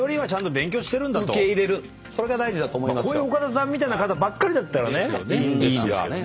こういう岡田さんみたいな方ばっかりだったらいいんですが。